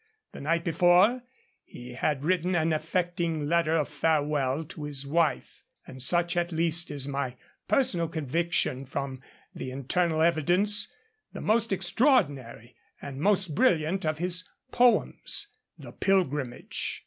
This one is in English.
The night before, he had written an affecting letter of farewell to his wife, and such, at least, is my personal conviction from the internal evidence the most extraordinary and most brilliant of his poems, The Pilgrimage.